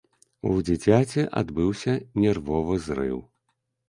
У дзіцяці адбыўся нервовы зрыў.